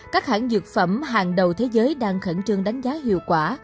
các hãng dược phẩm hàng đầu thế giới đang khẩn trương đánh giá hiệu quả